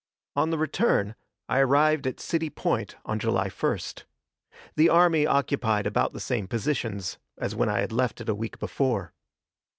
On the return, I arrived at City Point on July 1st. The army occupied about the same positions as when I had left it a week before.